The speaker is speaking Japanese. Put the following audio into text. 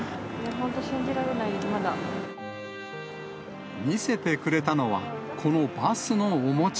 本当信じられないです、まだ。見せてくれたのは、このバスのおもちゃ。